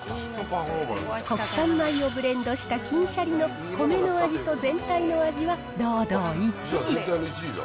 国産米をブレンドした金しゃりの米の味と全体の味は堂々１位。